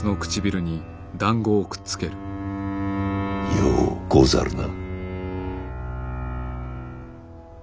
ようござるな。